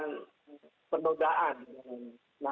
itu kan sangat mengikinkan kata hegemonik